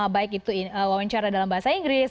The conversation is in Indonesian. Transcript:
baik itu wawancara dalam bahasa inggris